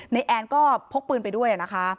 แอนก็พกปืนไปด้วยนะคะ